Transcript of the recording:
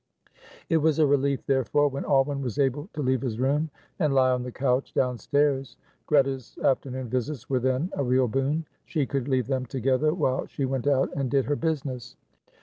It was a relief, therefore, when Alwyn was able to leave his room and lie on the couch downstairs. Greta's afternoon visits were then a real boon; she could leave them together while she went out and did her business.